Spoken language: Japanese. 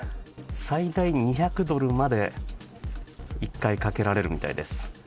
最大２００ドルまで１回賭けられるみたいです。